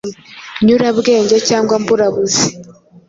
nyurabwenge cyangwa mburabuzi.”